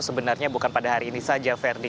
sebenarnya bukan pada hari ini saja verdi